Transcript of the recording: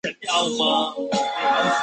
现时为无线电视力捧新晋小生之一。